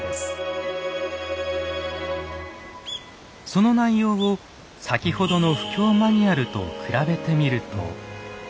その内容を先ほどの布教マニュアルと比べてみると。